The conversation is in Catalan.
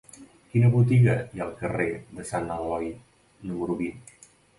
Quina botiga hi ha al carrer de Sant Eloi número vint?